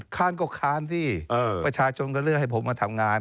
ค้านก็ค้านสิประชาชนก็เลือกให้ผมมาทำงาน